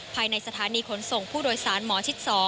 ภายในสถานีขนส่งผู้โดยสารหมอชิด๒